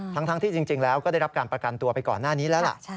ทั้งที่จริงแล้วก็ได้รับการประกันตัวไปก่อนหน้านี้แล้วล่ะ